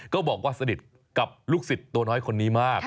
ก็บอกว่าสนิทกับลูกศิษย์ตัวน้อยคนนี้มาก